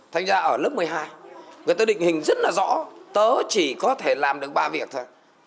thành ra ở lớp một mươi hai người ta định hình rất là rõ tớ chỉ có thể làm được ba việc thôi